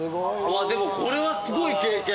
でもこれはすごい経験。